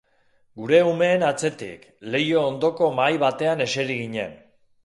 Gure umeen atzetik, leiho ondoko mahai batean eseri ginen.